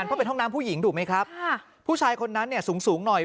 เพราะเป็นห้องน้ำผู้หญิงถูกไหมครับค่ะผู้ชายคนนั้นเนี่ยสูงสูงหน่อย